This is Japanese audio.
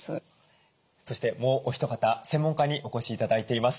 そしてもうお一方専門家にお越し頂いています。